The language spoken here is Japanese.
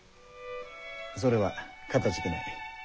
それはかたじけない。